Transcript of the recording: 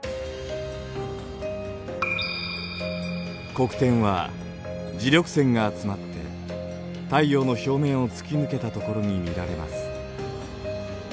黒点は磁力線が集まって太陽の表面を突き抜けたところに見られます。